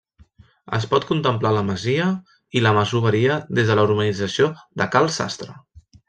Es pot contemplar la masia i la masoveria des de la urbanització de Cal Sastre.